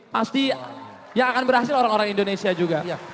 pasti yang akan berhasil orang orang indonesia juga